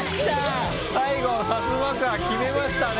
最後サツマカワ決めましたね。